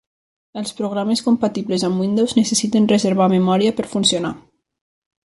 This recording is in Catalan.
Els programes compatibles amb Windows necessiten reservar memòria per funcionar.